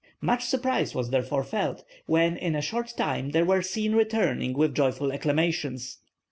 Much surprise was therefore felt when in a short time they were seen returning with joyful acclamations.